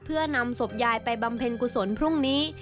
เพื่อนำศพยายไปบำเพ็ญกุศลพรุ่งนี้